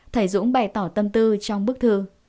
thầy dũng bày tỏ tâm tư trong bức thư